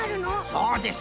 そうです。